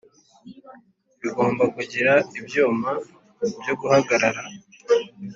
bigomba kugira ibyuma byo guhagarara